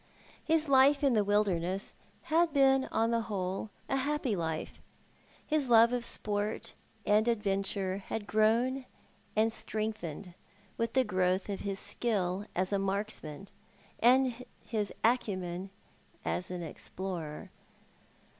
His life in the wilderness had been on the whole a happy life. His love of sport and adventure had grown and strengthened with the growth of his skill as a marksman and his acumen as an explorer.